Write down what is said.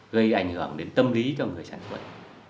gây ảnh hưởng đến tâm lý cho người sản xuất